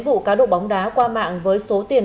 vụ cá độ bóng đá qua mạng với số tiền